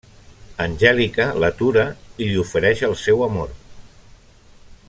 Angèlica l'atura i li ofereix el seu amor.